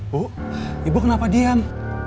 bu ibu kenapa diam